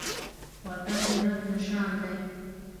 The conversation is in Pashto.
وطن جنت نشان دی